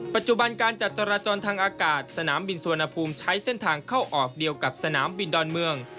ปัจจุบันการจัดจราจรทางอากาศสนามบินสุวรรณภูมิใช้เส้นทางเข้าออกเดียวกับสนามบินดอนเมือง